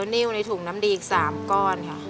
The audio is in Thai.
นิ้วในถุงน้ำดีอีก๓ก้อนค่ะ